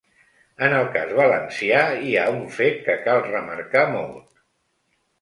En el cas valencià hi ha un fet que cal remarcar molt.